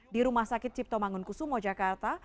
di rumah sakit ciptomangunkusumo jakarta